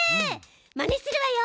まねするわよ！